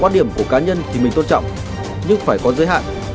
quan điểm của cá nhân thì mình tôn trọng nhưng phải có giới hạn